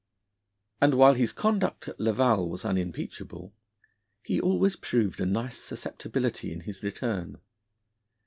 And while his conduct at Laval was unimpeachable, he always proved a nice susceptibility in his return.